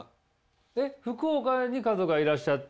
えっ福岡に家族がいらっしゃって。